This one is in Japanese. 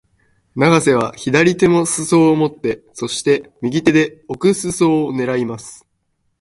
永瀬は左手も襟を持って、そして、右手で奥襟を狙います。